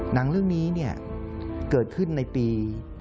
หนังเรื่องนี้เกิดขึ้นในปี๒๕๖